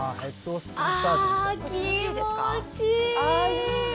あー、気持ちいい。